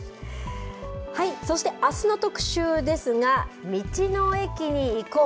そしてあすの特集ですが、道の駅に行こう！